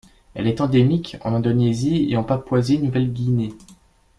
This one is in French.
Elle est endémique en Indonésie et en Papouasie-Nouvelle-Guinée.